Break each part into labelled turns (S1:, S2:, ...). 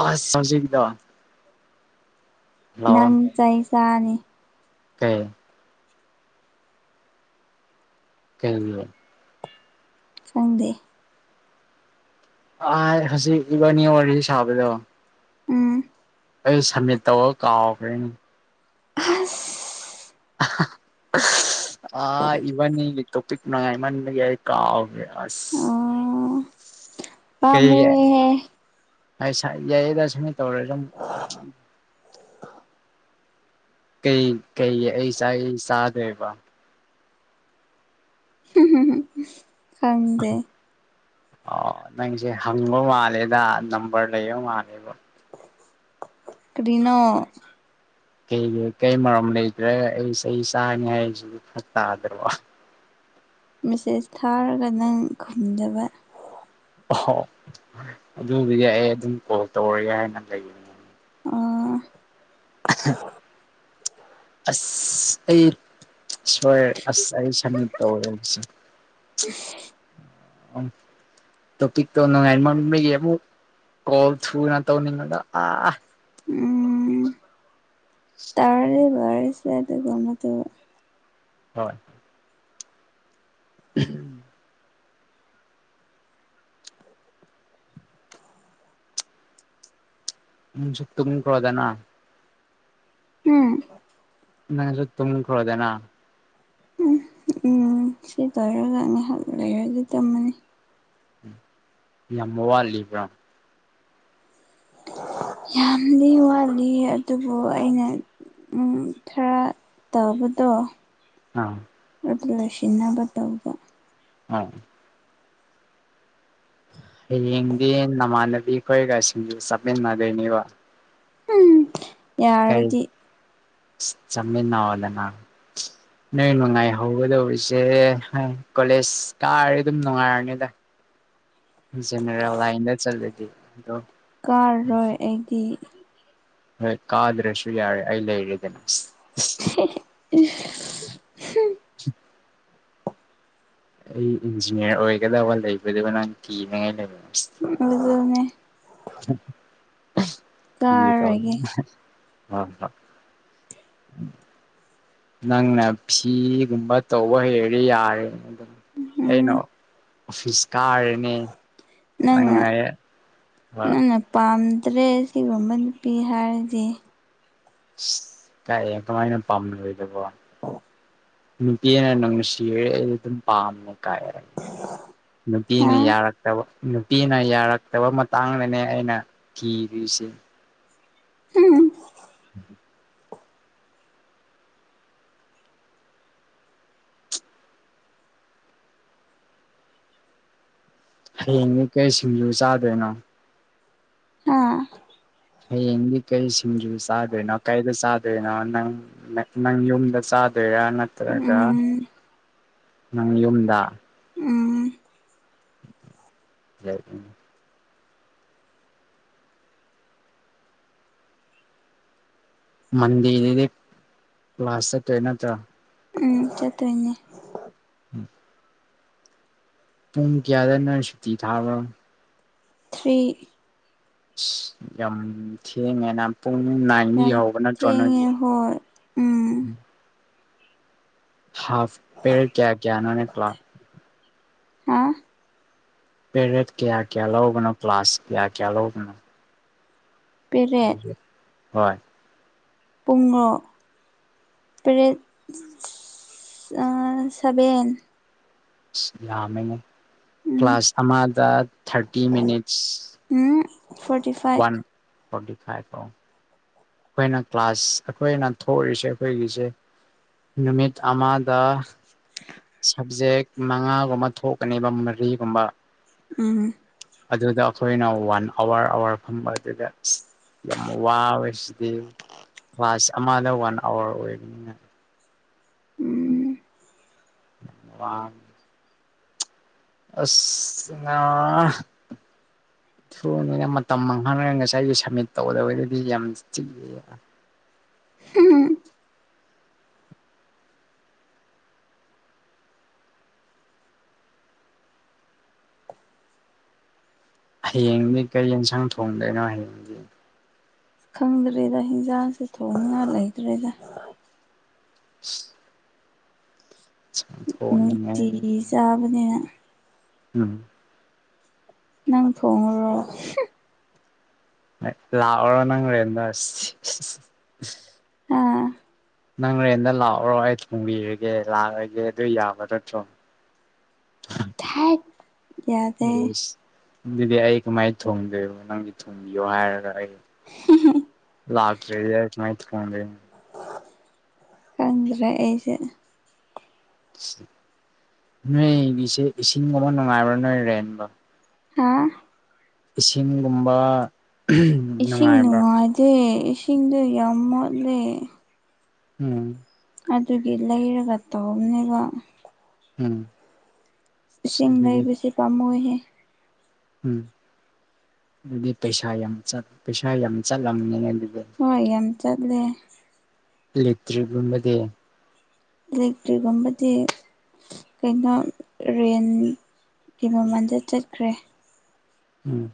S1: ꯑꯁ ꯍꯧꯖꯤꯛꯒꯤꯗ‌ꯣ
S2: ꯅꯪ ꯆꯩ ꯆꯥꯅꯤ
S1: ꯎꯝ ꯀꯩꯅ‌ꯣꯗꯨꯔ‌ꯣ
S2: ꯆꯪꯗꯦ
S1: ꯑꯥꯏ ꯍꯧꯖꯤꯛ ꯏꯕꯥꯟꯅꯤ ꯋꯥꯔꯤ ꯁꯥꯕꯗꯣ
S2: ꯎꯝ
S1: ꯑꯩ ꯁꯝꯃꯤꯠ ꯇꯧꯔ ꯀꯥꯎꯈ꯭ꯔꯦꯅꯦ
S2: ꯑꯁ
S1: [unintelligible] ꯑꯥ ꯏꯕꯥꯟꯅꯤꯒꯤ ꯇꯣꯄꯤꯛ ꯅꯨꯡꯉꯥꯏꯃꯟꯕꯒꯤ ꯑꯩ ꯀꯥꯎꯒ꯭ꯔ‌ꯦ ꯑꯁ
S2: ꯑꯣ
S1: ꯀꯩꯒꯤ
S2: ꯄꯥꯝꯃꯨꯏꯍꯦ
S1: [unintelligible] ꯌꯥꯏꯌꯦꯗ ꯁꯨꯃꯥꯏꯅ ꯇꯧꯔ ꯁꯨꯝ ꯀꯩ ꯀꯩꯒꯤ ꯑꯩ ꯆꯥꯏꯁ‌ꯦ ꯁꯥꯥꯗ‌ꯣꯏꯕ
S2: [unintelligible] ꯈꯪꯗꯦ
S1: [unintelligible] ꯅꯪꯁꯦ ꯍꯪꯕ ꯃꯥꯜꯂꯦꯗ ꯅꯝꯕꯔ ꯂꯩꯕ ꯃꯥꯜꯂꯦꯗ
S2: ꯀꯔꯤꯅꯣ
S1: ꯀꯩꯒꯤ ꯀꯩ ꯃꯔꯝ ꯂꯩꯗ꯭ꯔꯦ ꯑꯩ ꯆꯩ ꯆꯥꯔꯅꯤ ꯍꯥꯏꯁꯤꯕꯨ ꯐ꯭ꯔꯛ ꯇꯥꯗ꯭ꯔꯣ
S2: ꯃꯦꯁꯦꯁ ꯊꯥꯔꯒ ꯅꯪ ꯈꯨꯝꯗꯕ
S1: ꯑꯣꯍ‌ꯣ ꯑꯗꯨꯒꯤꯗꯤ ꯑꯩ ꯑꯗꯨꯝ ꯀꯣꯜ ꯇꯧꯔꯒꯦ ꯍꯥꯏꯅ ꯂꯩꯕꯅ‌ꯦ
S2: ꯑꯥ
S1: [unintelligible] ꯑꯁ ꯑꯩ ꯁꯣꯏꯔ‌ꯦ ꯑꯁ ꯑꯩ ꯁꯝꯃꯤꯠ ꯇꯧꯔꯒ‌ꯦ ꯑꯗꯨꯁꯨ
S2: [inaudible]
S1: ꯑꯝ ꯇꯣꯄꯤꯛꯇ‌ꯣ ꯅꯨꯡꯉꯥꯏ ꯃꯟꯕꯒꯤ ꯑꯃꯨꯛ ꯀꯣꯜ ꯊꯨꯅ ꯇꯧꯅꯤꯡꯉꯒ ꯑꯥ
S2: ꯇꯧꯔꯔ‌ꯣꯏ ꯕꯔ‌ꯣꯏꯁꯦ ꯑꯗꯨꯒ ꯑꯃꯨꯛ ꯇꯧꯔꯛ
S1: ꯍꯣꯏ ꯎꯝꯍꯨꯝ ꯅꯪꯁꯨ ꯇꯨꯝꯈ꯭ꯔ‌ꯣꯗꯅ
S2: ꯎꯝ
S1: ꯅꯪꯁꯨ ꯇꯨꯝꯈ꯭ꯔ‌ꯣꯗꯅ
S2: ꯎꯝ ꯎꯝ ꯁꯤ ꯂ‌ꯣꯏꯔꯒ ꯉꯥꯏꯍꯥꯛ ꯂꯩꯔꯗꯤ ꯇꯨꯝꯃꯅꯤ
S1: ꯌꯥꯝ ꯋꯥꯠꯂꯤꯕ꯭ꯔꯣ
S2: ꯌꯥꯝꯗꯤ ꯋꯥꯠꯂꯤ ꯑꯗꯨꯕꯨ ꯑꯩꯅ ꯎꯝ ꯈꯔ ꯇꯧꯕꯗꯣ
S1: ꯑꯥ
S2: ꯑꯗꯨ ꯂꯣꯏꯁꯤꯟꯅꯕ ꯇꯧꯕ
S1: ꯍꯥ ꯍꯥꯌꯦꯡꯗꯤ ꯅꯃꯥꯟꯅꯕꯤ ꯈꯣꯏꯒꯁꯤꯡꯖꯨ ꯆꯠꯃꯤꯟꯅꯗꯣꯏꯅꯦꯕ
S2: ꯎꯝ
S1: ꯀꯩ
S2: ꯌꯥꯔꯗꯤ
S1: ꯆꯃꯤꯟꯅꯧꯑꯣꯅ‌ꯦꯅꯪ ꯅꯣꯏ ꯅꯨꯡꯉꯥꯏꯍꯧꯒꯗꯧꯔꯤꯁꯦ ꯍꯝ ꯀꯣꯂꯦꯖ ꯀꯥꯔ ꯑꯗꯨꯝ ꯅꯨꯡꯉꯥꯏꯔꯅꯤꯗ [unintelligible] ꯂꯥꯏꯟꯗ ꯆꯠꯂꯗꯤꯗꯣ
S2: ꯀꯥꯔꯣꯏ ꯑꯩꯗꯤ
S1: ꯍꯣꯏ ꯀꯥꯗ꯭ꯔꯁꯨ ꯌꯥꯔꯦ ꯑꯩ ꯂꯩꯔꯦꯗꯅ
S2: [unintelligible]
S1: ꯑꯩ ꯏꯟꯖꯤꯅꯤꯌꯥꯔ ꯑꯣꯏꯒꯗꯕ ꯂꯩꯕꯗꯨꯒ ꯅꯪ ꯀꯤꯅꯉꯥꯏ ꯂꯩꯕ
S2: ꯑꯗꯨꯅꯦ ꯀꯥꯔꯔꯣꯏꯒꯦ
S1: [unintelligible] [inaudible] ꯅꯪꯅ ꯐꯤꯒꯨꯝꯕ ꯇꯧꯕ ꯍꯩꯔꯗꯤ ꯌꯥꯔꯦ ꯑꯗꯨꯝ ꯑꯩꯅꯣ
S2: ꯎꯝ
S1: ꯑꯣꯐꯤꯁꯀꯥ
S2: ꯅꯪꯅ
S1: ꯍꯣꯏ
S2: ꯅꯪꯅ ꯄꯥꯝꯗ꯭ꯔꯦ ꯑꯁꯤꯒꯨꯝꯕ ꯅꯨꯄꯤ ꯍꯥꯏꯔꯗꯤ
S1: ꯀꯥꯏ ꯀꯃꯥꯏꯅ ꯄꯝꯂꯣꯏꯗꯕꯣ
S2: [inaudible]
S1: ꯅꯨꯄꯤꯅ ꯅꯨꯡꯁꯤꯔꯦ ꯑꯩ ꯑꯗꯨꯝ ꯄꯥꯝꯃꯦ ꯀ
S2: ꯍꯥ
S1: ꯅꯨꯄꯤꯅ ꯌꯥꯔꯛꯇꯕ ꯅꯨꯄꯤꯅ ꯌꯥꯔꯛꯇꯕ ꯃꯇꯥꯡꯗꯅꯦ ꯑꯩꯅ ꯀꯤꯔꯤꯁꯦ
S2: [unintelligible]
S1: [inaudible] ꯍꯌꯦꯡꯅꯤ ꯀꯩ ꯁꯤꯡꯖꯨ ꯆꯥꯗꯣꯏꯅꯣ
S2: ꯍꯥ
S1: ꯍꯌꯦꯡꯗꯤ ꯀꯩ ꯁꯤꯡꯖꯨ ꯆꯥꯗꯣꯏꯅꯣ ꯀꯩꯗ ꯆꯥꯗꯣꯏꯅꯣ ꯅꯪ ꯅ ꯅꯪ ꯌꯨꯝꯗ ꯆꯥꯗꯣꯏꯔꯥ ꯅꯠꯇ꯭ꯔꯒ
S2: ꯎꯝ
S1: ꯅꯪ ꯌꯨꯝꯗ
S2: ꯎꯝ
S1: [unintelligible] ꯃꯟꯗꯦꯗꯗꯤ ꯀ꯭ꯂꯥꯁ ꯆꯠꯇꯣꯏ ꯅꯠꯇ꯭ꯔꯥ
S2: ꯎꯝ ꯆꯠꯇꯣꯏꯅꯤ
S1: [inaudible] ꯄꯨꯡ ꯀꯌꯥꯗꯅ ꯅꯣꯏ ꯁꯨꯇꯤ ꯊꯥꯕ꯭ꯔꯣ
S2: ꯊ꯭ꯔꯤ
S1: ꯌꯝ ꯊꯦꯡꯉꯦꯅꯝ ꯄꯨꯡ ꯅꯥꯏꯟꯗꯤ
S2: ꯌꯥꯝ
S1: ꯍꯧꯕ ꯅꯠꯇ꯭ꯔꯣ
S2: ꯊꯦꯡꯉꯦ
S1: ꯅꯣꯒꯤ
S2: ꯍꯣꯏ ꯎꯝ
S1: ꯍꯥꯐ ꯄꯦꯔꯗ ꯀꯌꯥ ꯀꯌꯥꯅꯣꯅꯦ ꯀ꯭ꯂꯥ
S2: ꯍꯥ
S1: ꯄꯦꯔꯗ ꯀꯌꯥ ꯀꯌꯥ ꯂꯧꯕꯅꯣ ꯀꯂ꯭ꯥꯁ ꯀꯌꯥ ꯀꯌꯥ ꯂꯧꯕꯅꯣ
S2: ꯄꯦꯔꯦꯠ
S1: ꯍꯣꯏ
S2: ꯄꯨꯡꯂꯣ ꯇꯔꯦꯠ ꯑ ꯁꯚꯦꯟ
S1: ꯌꯥꯝꯃꯦꯅꯦ
S2: ꯎꯝ
S1: ꯀ꯭ꯂꯥꯁ ꯑꯃꯗ ꯊꯥꯔꯇꯤ ꯃꯤꯅꯤꯠꯁ
S2: ꯎꯝ ꯐꯣꯔꯇꯤ ꯐ
S1: ꯋꯥꯟ ꯐꯣꯔꯇꯤ ꯐꯥꯏꯚ ꯑꯣ ꯈꯣꯏꯅ ꯀ꯭ꯂꯥꯁ ꯑꯩꯈꯣꯏꯅ ꯊꯣꯛꯔꯤꯁꯦ ꯑꯩꯈꯣꯏꯒꯤꯁꯦ ꯅꯨꯃꯤꯠ ꯑꯃꯗ
S2: [inaudible]
S1: ꯁꯕꯖꯦꯛ ꯃꯉꯥꯒꯨꯝꯕ ꯊꯣꯛꯀꯅꯦꯕ ꯃꯔꯤꯒꯨꯝꯕ
S2: ꯎꯝ
S1: ꯑꯗꯨꯗ ꯑꯈꯣꯏꯅ ꯋꯥꯟ ꯑꯋꯥꯔ ꯑꯋꯥꯔ ꯐꯝꯕ ꯑꯗꯨꯗ ꯌꯥꯝ ꯋꯥꯕꯁꯤꯗꯤ ꯀ꯭ꯂꯥꯁ ꯑꯃꯗ ꯋꯥꯟ ꯑꯋꯥꯔ ꯑꯣꯏꯕꯅꯤꯅ
S2: ꯎꯝ
S1: ꯋꯥ ꯑꯁ ꯅꯥ ꯐꯣꯝꯅꯦꯅ ꯃꯇꯝ ꯃꯥꯡꯍꯜꯂꯦ ꯉꯁꯥꯏꯗꯣ ꯁꯝꯃꯤꯠ ꯇꯧꯒꯗꯕꯗꯨꯗꯤ ꯌꯥꯝ ꯆꯤꯜꯂꯤꯑꯕ
S2: ꯍꯤ ꯍꯤ ꯎꯝ
S1: ꯍꯌꯦꯡꯗꯤ ꯀꯔꯤ ꯌꯦꯟꯁꯥꯡ ꯊꯣꯡꯗꯣꯏꯅꯣ ꯍꯥꯏꯌꯦ
S2: ꯈꯪꯗ꯭ꯔꯦꯗ ꯍꯤꯟꯖꯥꯡꯁꯦ ꯊꯣꯡꯅꯤꯡꯉꯥꯏ ꯂꯩꯇ꯭ꯔꯦꯗ ꯅꯨꯡꯇꯤ
S1: ꯊꯣꯡꯅꯤꯡꯉꯥꯏ
S2: ꯆꯥꯕꯅꯤꯅ
S1: ꯎꯝ
S2: ꯅꯪ ꯊꯣꯡꯉꯨꯔꯣ
S1: ꯂꯥꯛꯎꯔ ꯅꯪ ꯔꯦꯟꯗ
S2: ꯑꯥ
S1: ꯅꯪ ꯔꯦꯟꯗ ꯂꯥꯛꯑꯣꯔꯣ ꯑꯩ ꯊꯣꯡꯕꯤꯔꯒꯦ ꯂꯥꯛꯑꯒꯦ ꯑꯗꯨ ꯌꯥꯕ ꯅꯠꯇ꯭ꯔꯣ
S2: ꯊꯥꯏꯠ ꯌꯥꯗꯦ
S1: ꯏꯁ ꯑꯗꯨꯗꯤ ꯑꯩ ꯀꯃꯥꯏꯅ ꯊꯣꯡꯗꯣꯏꯅꯣ ꯅꯪꯗꯤ ꯊꯣꯡꯕꯤꯌꯣ ꯍꯥꯏꯔꯒ ꯑꯩ ꯂꯥꯛꯇ꯭ꯔꯤꯌꯦ ꯃꯥꯏ ꯗꯨꯀꯥꯟꯗꯩ
S2: ꯈꯪꯗ꯭ꯔꯦ ꯑꯩꯁꯨ
S1: ꯅꯣꯏꯒꯤꯁꯦ ꯏꯁꯤꯡꯒꯨꯝꯕ ꯅꯨꯡꯉꯥꯏꯕ꯭ꯔꯥ ꯅꯣꯏ ꯔꯦꯟꯇꯣ
S2: ꯍꯥ
S1: ꯏꯁꯤꯡꯒꯨꯝꯕ
S2: ꯏꯁꯤꯡ
S1: ꯅꯨꯡꯉꯥꯏꯕ꯭ꯔꯥ
S2: ꯅꯨꯡꯉꯥꯏꯇꯦ ꯏꯁꯤꯡꯗꯣ ꯌꯥꯝ ꯃꯣꯠꯂꯦ
S1: ꯎꯝ
S2: ꯑꯗꯨꯒꯤ ꯂꯩꯔꯒ ꯇꯧꯕꯅꯦꯕ
S1: ꯎꯝ ꯑꯁ
S2: ꯏꯁꯤꯡ
S1: ꯑꯗꯨꯗꯤ
S2: ꯂꯩꯕꯁꯦ ꯄꯥꯝꯃꯨꯍꯦ
S1: ꯎꯝ ꯑꯗꯨꯗꯤ ꯄꯩꯁꯥ ꯌꯥꯝ ꯆꯪ ꯄꯩꯁꯥ ꯌꯥꯝ ꯆꯠꯂꯝꯅꯤꯅꯦ ꯑꯗꯨꯗꯤ
S2: ꯍꯣꯏ ꯌꯥꯝ ꯆꯠꯂꯦ
S1: ꯏꯂꯦꯛꯇ꯭ꯔꯤꯛꯒꯨꯝꯕꯗꯤ
S2: ꯏꯂꯦꯛꯇ꯭ꯔꯤꯛꯒꯨꯝꯕꯗꯤ ꯀꯩꯅꯣ ꯔꯦꯟꯒꯤ ꯃꯃꯟꯗ ꯆꯠꯈ꯭ꯔꯦ
S1: ꯎꯝ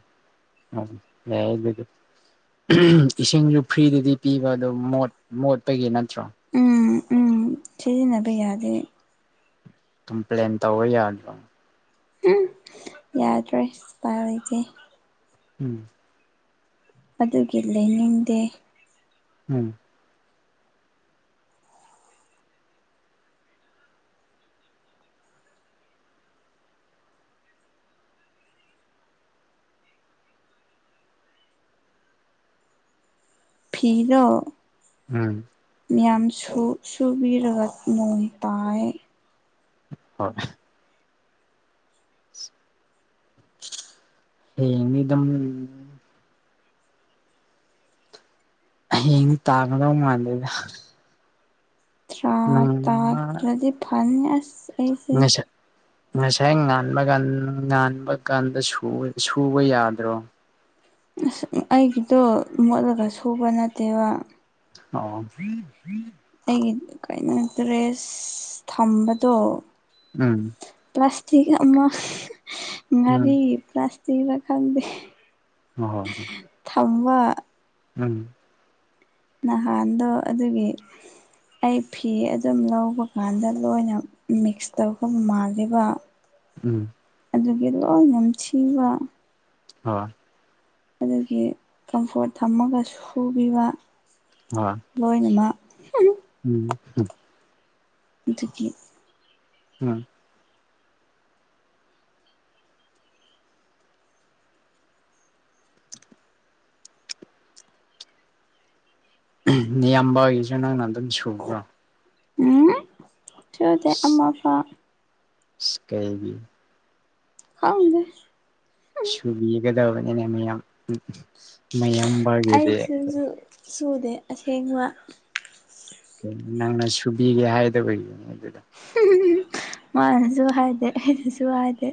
S1: ꯊꯝ ꯂꯩꯍꯧꯗꯦ ꯑꯗꯨꯝ ꯏꯁꯤꯡꯁꯨ ꯐ꯭ꯔꯤꯗꯗꯤ ꯄꯤꯕ ꯑꯗꯣ ꯃꯣꯠ ꯃꯣꯠꯄꯒꯤ ꯅꯠꯇ꯭ꯔꯣ
S2: ꯎꯝ ꯎꯝ ꯁꯤꯖꯤꯟꯅꯕ ꯌꯥꯗꯦ
S1: ꯀꯝꯄ꯭ꯂꯦꯟ ꯇꯧꯑꯣ ꯌꯥꯗ꯭ꯔꯣ
S2: ꯎꯝ ꯌꯥꯗ꯭ꯔꯦ ꯎꯄꯥꯏ ꯂꯩꯇꯦ
S1: ꯎꯝ
S2: ꯑꯗꯨꯒꯤ ꯂꯩꯅꯤꯡꯗꯦ
S1: ꯎꯝ
S2: ꯐꯤꯗꯣ
S1: ꯎꯝ
S2: ꯃꯌꯥꯝ ꯁꯨ ꯁꯨꯕꯤꯔꯒ ꯅꯣꯡ ꯇꯥꯏꯌꯦ
S1: ꯍꯣꯏ ꯍꯌꯦꯡ ꯅꯤꯗꯝ ꯍꯌꯦꯡꯗꯤ ꯇꯥꯒꯗꯧ ꯃꯥꯟꯗꯦꯗ
S2: ꯇꯥ
S1: ꯅꯣꯡꯃ
S2: ꯇꯥꯗ꯭ꯔꯗꯤ ꯐꯥꯅꯤ ꯑꯁ ꯑꯩꯁꯦ
S1: ꯉꯁ ꯉꯁꯥꯏ ꯉꯟꯕ ꯀꯥꯟ ꯉꯟꯕ ꯀꯥꯟꯗ ꯁꯨꯕ ꯌꯥꯗ꯭ꯔꯣ
S2: ꯑꯁ ꯑꯩꯒꯤꯗꯣ ꯃꯣꯠꯂꯒ ꯁꯨꯕ ꯅꯠꯇꯦꯕ
S1: ꯑꯣ
S2: ꯑꯩꯒꯤ ꯀꯩꯅꯣ ꯗ꯭ꯔꯦꯁ ꯊꯝꯕꯗꯣ꯫
S1: ꯎꯝ
S2: ꯄ꯭ꯂꯁꯇꯛ ꯑꯃ
S1: ꯎꯝ
S2: ꯉꯥꯔꯤꯒꯤ ꯄ꯭ꯂꯥꯁꯇꯛꯔ ꯈꯪꯗꯦ ꯫
S1: ꯍꯣꯏ ꯍꯣꯏ ꯍꯣꯏ
S2: ꯊꯝꯕ
S1: ꯎꯝ
S2: ꯅꯍꯥꯟꯗꯣ ꯑꯗꯨꯒꯤ ꯑꯩ ꯐꯤ ꯑꯗꯨꯝ ꯂꯧꯕ ꯀꯥꯟꯗ ꯂꯣꯏꯅ ꯃꯤꯛꯁ ꯇꯧꯕ ꯃꯥꯜꯂꯦꯕ ꯫
S1: ꯎꯝ
S2: ꯑꯗꯨꯒꯤ ꯂꯣꯏ ꯅꯝꯊꯤꯕꯥ ꯫
S1: ꯍꯣꯏ
S2: ꯑꯗꯨꯒꯤ ꯀꯝꯐꯣꯔꯠ ꯊꯝꯃꯒ ꯁꯨꯕꯤꯕ꯫
S1: ꯍꯥ
S2: ꯂꯣꯏꯅꯃꯛ
S1: ꯎꯝ ꯍꯨꯝ
S2: ꯑꯗꯨꯒꯤ
S1: ꯍꯨꯝ ꯅꯌꯥꯝꯕꯒꯤꯖꯨ ꯅꯡꯅ ꯑꯗꯨꯝ ꯁꯨꯕ꯭ꯔꯣ
S2: ꯎꯝ ꯁꯨꯗꯦ ꯑꯃꯣꯠꯄ ꯫
S1: ꯁꯤ ꯀꯩꯒꯤ ꯫
S2: ꯈꯪꯗꯦ ꯫
S1: ꯁꯨꯕꯤꯒꯗꯕꯅꯤꯅꯦ ꯃꯌꯥꯝ ꯃꯌꯥꯝ
S2: ꯑꯩꯁꯨꯖꯨ ꯆꯨꯗꯦ ꯑꯁꯦꯡꯕ꯫
S1: ꯀꯩ ꯅꯪꯅ ꯁꯨꯕꯤꯒꯦ ꯍꯥꯏꯗꯕꯒꯤꯅꯦ ꯑꯗꯨꯗ꯫ ꯍ
S2: ꯃꯥꯅꯁꯨ ꯍꯥꯏꯗꯦ ꯑꯩꯅꯁꯨ ꯍꯥꯏꯗꯦ꯫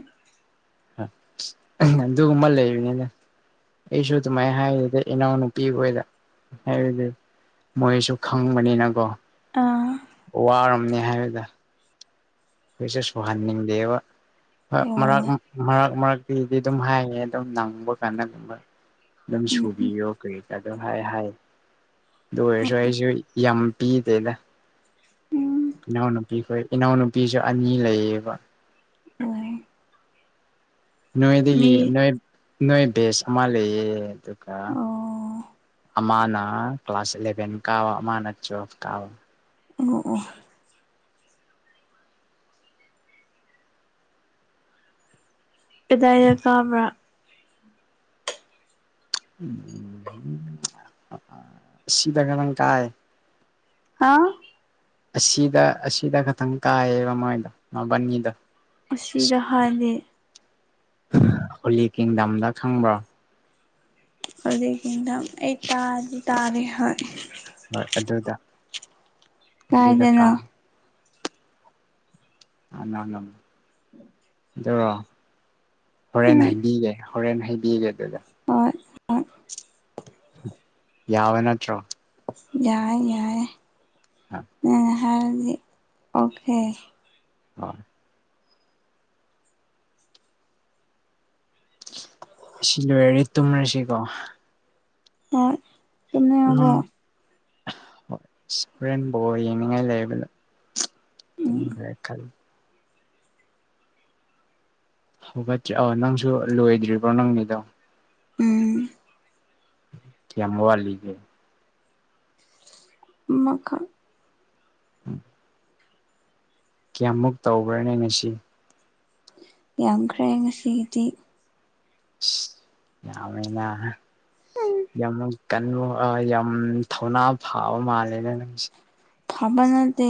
S1: ꯑꯗꯨꯒꯨꯝꯕ ꯂꯩꯕꯅꯦꯗꯥ ꯫ ꯑꯩꯁꯨ ꯑꯗꯨꯃꯥꯏ ꯍꯥꯏꯗꯦ ꯏꯅꯥꯎꯅꯨꯄꯤꯒꯣꯏꯗ ꯍꯥꯏꯕꯗꯤ ꯃꯣꯏꯅꯁꯨ ꯈꯪꯕꯅꯤꯅꯒꯣ ꯫
S2: ꯑꯥ
S1: ꯋꯥꯔꯝꯅꯤ ꯍꯥꯏꯕꯗꯣ ꯫ ꯀꯩꯁꯨ ꯁꯨꯍꯟꯅꯤꯡꯗꯦꯕ ꯍꯣꯏ
S2: ꯑꯣ
S1: ꯃꯔꯛ ꯃ ꯃꯔꯛ ꯃꯔꯛꯇꯤꯗꯤ ꯑꯗꯨꯝ ꯍꯥꯏꯌꯦ ꯑꯗꯨꯝ ꯅꯪꯕ ꯀꯥꯟꯗ ꯒꯨꯝꯕ꯫ ꯗꯨꯝ
S2: ꯎꯝ
S1: ꯁꯨꯕꯤꯌꯣ ꯀꯔꯤ ꯀꯥ ꯑꯗꯨꯝ ꯍꯥꯏ ꯍꯥꯏ꯫ ꯑꯗꯨ ꯑꯣꯏꯔꯁꯨ ꯑꯩꯁꯨ ꯌꯥꯝ ꯄꯤꯗꯦꯗ꯫
S2: ꯎꯝ
S1: ꯏꯅꯥꯎꯅꯨꯄꯤꯈꯣꯏ ꯏꯅꯥꯎꯅꯨꯄꯤꯁꯨ ꯑꯅꯤ ꯂꯩꯌꯦꯕ꯫
S2: ꯑꯣꯏꯌꯦ
S1: ꯅꯣꯏꯗꯒꯤ ꯅꯣꯏ ꯅꯣꯏ ꯕꯦꯁ ꯑꯃ ꯂꯩꯌꯦ ꯑꯗꯨꯒ꯫
S2: ꯑꯣ
S1: ꯑꯃꯥꯅ ꯀ꯭ꯂꯥꯁ ꯏꯂꯦꯚꯦꯟ ꯀꯥꯋ ꯑꯃꯅ ꯇꯨꯋꯦꯜꯐ ꯀꯥꯋ꯫
S2: ꯑꯣ ꯑꯣ ꯀꯗꯥꯏꯅ ꯀꯥꯕ꯭ꯔꯥ꯫
S1: ꯁꯤꯗꯥ ꯈꯇꯡ ꯀꯥꯏ꯫
S2: ꯍꯥꯥꯎ
S1: ꯑꯁꯤꯗ ꯑꯁꯤꯗ ꯈꯇꯪ ꯀꯥꯏꯌꯦꯕ ꯃꯣꯏꯗꯣ ꯃꯕꯥꯟꯅꯤꯗꯣ ꯫
S2: ꯑꯁꯤꯗ ꯍꯥꯏꯗꯤ꯫
S1: ꯍꯣꯂꯤ ꯀꯤꯡꯗꯝꯗ ꯈꯪꯕ꯭ꯔꯣ꯫
S2: ꯑꯗꯨꯗꯒꯤ ꯀꯤꯡꯗꯝ ꯑꯩ ꯇꯥꯗꯤ ꯇꯥꯔꯦ ꯍꯣꯏ
S1: ꯍꯣꯏ ꯑꯗꯨꯗ ꯑꯗꯨꯗ
S2: ꯀꯥꯏꯗꯅꯣ
S1: ꯀꯥ ꯀꯅꯥꯅꯣ ꯑꯗꯨꯔꯣ ꯍꯣꯔꯦꯟ
S2: ꯎꯝ
S1: ꯍꯩꯕꯤꯒꯦ ꯍꯣꯔꯦꯟ ꯍꯩꯕꯤꯒꯦ ꯑꯗꯨꯗ
S2: ꯍꯣꯏ ꯍꯣꯏ
S1: ꯌꯥꯕ ꯅꯠꯇ꯭ꯔꯣ
S2: ꯌꯥꯏ ꯌꯥꯏ ꯅꯪꯅ ꯍꯥꯏꯔꯗꯤ ꯑꯣꯀꯦ
S1: ꯍꯥ ꯁꯤꯂꯣꯏꯔꯤ ꯇꯨꯝꯔꯁꯤ ꯀꯣ
S2: ꯍꯣꯏ
S1: ꯅꯥ
S2: ꯇꯨꯝꯅꯤꯡꯉꯕꯣ
S1: ꯍꯣꯏ ꯍꯣꯔꯦꯟ ꯕꯣꯜ ꯌꯦꯡꯅꯤꯡꯉꯥꯏ ꯂꯩꯕꯅ ꯇꯨꯝꯈ꯭ꯔꯦ ꯈꯜ ꯍꯧꯒꯠꯇ꯭ꯔꯤ ꯑꯣ ꯅꯪꯁꯨ ꯂꯣꯏꯗ꯭ꯔꯤꯕ꯭ꯔꯣ ꯅꯪꯒꯤꯗꯣ
S2: ꯎꯝ
S1: ꯀꯌꯥꯝ ꯋꯥꯠꯂꯤꯒꯦ
S2: ꯑꯃꯥꯈꯛ
S1: ꯎꯝ ꯀꯌꯥꯃꯨꯛ ꯇꯧꯕ꯭ꯔꯅꯦ ꯉꯁꯤ
S2: ꯌꯥꯝꯈ꯭ꯔꯦ ꯉꯁꯤꯒꯤꯗꯤ
S1: ꯏꯁ ꯌꯥꯃꯦꯅ ꯌꯥꯝꯃꯩ [unintelligible] ꯌꯥꯝ ꯊꯧꯅꯥ ꯐꯥꯕ ꯃꯥꯜꯂꯦꯅ ꯅꯪꯁꯦ
S2: ꯐꯕ ꯅꯠꯇꯦ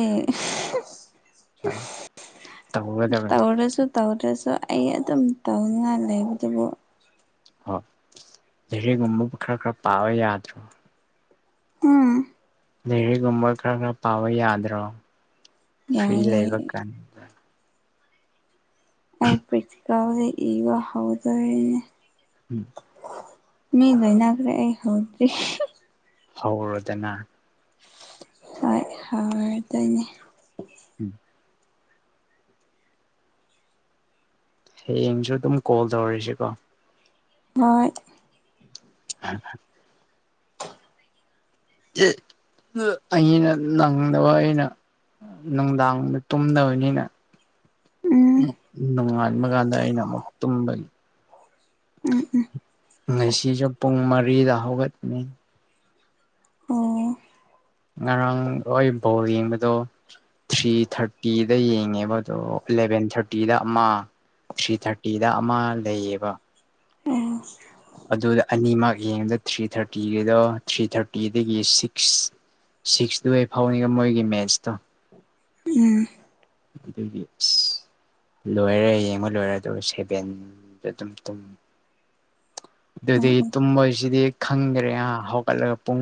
S1: ꯇꯧꯒꯗꯕꯅꯤ
S2: ꯇꯧꯔꯁꯨ ꯇꯧꯗ꯭ꯔꯁꯨ ꯑꯩ ꯑꯗꯨꯝ ꯇꯧꯅꯤꯡꯉꯥꯏ ꯂꯩꯕꯗꯨꯕꯨ
S1: ꯍꯣ ꯂꯩꯔꯤꯒꯨꯝꯕ ꯈꯔ ꯈꯔ ꯄꯥꯕ ꯌꯥꯗ꯭ꯔꯣ
S2: ꯎꯝ
S1: ꯂꯩꯔꯤꯒꯨꯝꯕꯥ ꯈꯔ ꯈꯔ ꯄꯥꯕ ꯌꯥꯗ꯭ꯔꯣ ꯐ꯭ꯔꯤ
S2: ꯌꯥꯏꯌꯦ
S1: ꯂꯩꯕ ꯀꯥꯟ
S2: ꯑꯩ ꯄ꯭ꯔꯦꯛꯇꯤꯀꯜꯁꯦ ꯏꯕ ꯍꯧꯔꯗꯣꯏꯅꯦ
S1: ꯎꯝ
S2: ꯃꯤ ꯂꯣꯏꯅꯒ꯭ꯔꯦ ꯑꯩ ꯍꯧꯗꯔꯤ
S1: ꯍꯧꯔꯣꯗꯅ
S2: ꯍꯣꯏ ꯍꯧꯔꯗꯣꯏꯅꯦ
S1: ꯎꯝ ꯍꯌꯦꯡꯁꯨ ꯑꯗꯨꯝ ꯀꯣꯜ ꯇꯧꯔꯁꯤꯀꯣ
S2: ꯍꯣꯏ
S1: [inaudible] ꯑꯩꯅ ꯅꯪꯗꯕ ꯑꯩꯅ ꯅꯨꯡꯗꯥꯡꯗ ꯇꯨꯝꯗꯕꯅꯤꯅ
S2: ꯎꯝ
S1: ꯅꯣꯡꯉꯥꯟꯕ ꯀꯥꯟꯗ ꯑꯩꯅ ꯑꯃꯨꯛ ꯇꯨꯝꯕꯒꯤ
S2: ꯎꯝ ꯎꯝ
S1: ꯉꯁꯤꯁꯨ ꯄꯨꯡ ꯃꯔꯤꯗ ꯍꯧꯒꯠꯅꯤ
S2: ꯑꯣ
S1: ꯉꯔꯥꯡ ꯑꯣꯏ ꯕꯣꯜ ꯌꯦꯡꯕꯗꯣ ꯊ꯭ꯔꯤ ꯊꯥꯔꯇꯤꯗ ꯌꯦꯡꯉꯦꯕ ꯑꯗꯣ ꯑꯦꯂꯚꯦꯟ ꯊꯥꯔꯇꯤꯗ ꯑꯃ ꯊ꯭ꯔꯤ ꯊꯥꯔꯇꯤꯗ ꯑꯃ ꯂꯩꯌꯦꯕ
S2: ꯑꯣ
S1: ꯑꯗꯨꯗ ꯑꯅꯤꯃꯛ ꯌꯦꯡꯉꯗ ꯊ꯭ꯔꯤ ꯊꯥꯔꯇꯤꯒꯤꯗꯣ ꯊ꯭ꯔꯤ ꯊꯥꯔꯇꯤꯗꯒꯤ ꯁꯤꯛꯁ ꯁꯤꯛꯁꯇꯨꯑꯦ ꯐꯥꯎꯅꯤꯉꯥ ꯃꯣꯏꯒꯤ ꯃꯦꯠꯁꯇꯣ
S2: ꯎꯝ
S1: ꯑꯗꯨꯒꯤ ꯑꯁ ꯂꯣꯏꯔꯦ ꯌꯦꯡꯕ ꯂꯣꯏꯔꯦ ꯑꯗꯨꯒ ꯁꯦꯚꯦꯟꯗ ꯑꯗꯨꯝ ꯇꯨꯝ
S2: ꯑꯣ
S1: ꯑꯗꯨꯗꯤ
S2: ꯑꯣ
S1: ꯇꯨꯝꯕꯍꯥꯏꯁꯤꯗꯤ ꯈꯪꯗ꯭ꯔꯦꯍꯥ ꯍꯧꯒꯠꯂꯒ ꯄꯨꯡ